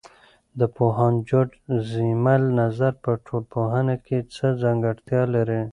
د پوهاند جورج زیمل نظر په ټولنپوهنه کې څه ځانګړتیا لري؟